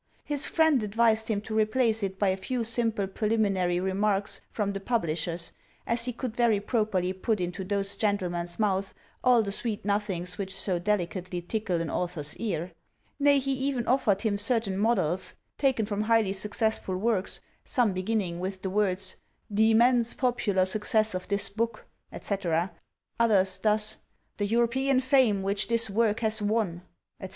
His friend advised him to replace it by a few simple preliminary remarks from the publishers, as he could very properly put into those gentlemen's mouths all the sweet nothings which so deli cately tickle an author's ear ; nay, he even offered him certain models, taken from highly successful works, some beginning with the words, " The immense popular success of this book," etc. ; others thus, " The European fame which this work has won," etc.